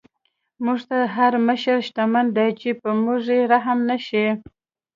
موږ ته هر مشر دشمن دی، چی په موږ یې رحم نه شی